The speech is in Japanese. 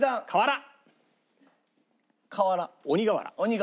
瓦？